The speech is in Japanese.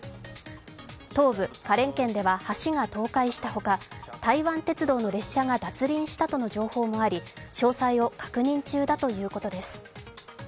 東部花蓮県では橋が倒壊したほか、台湾鉄道の列車が脱輪したとの情報もあり詳細を確認中だということです。